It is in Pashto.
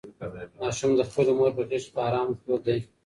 ماشوم د خپلې مور په غېږ کې په ارامه پروت دی.